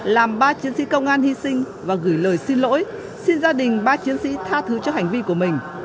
làm ba chiến sĩ công an hy sinh và gửi lời xin lỗi xin gia đình ba chiến sĩ tha thứ cho hành vi của mình